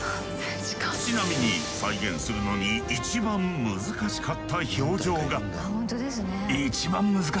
ちなみに再現するのに一番難しかった表情が。